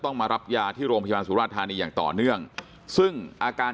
มารับยาที่โรงพยาบาลสุราธานีอย่างต่อเนื่องซึ่งอาการ